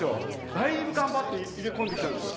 だいぶ頑張って入れ込んできたんですよ。